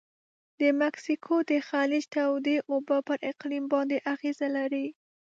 د مکسیکو د خلیج تودې اوبه پر اقلیم باندې اغیزه لري.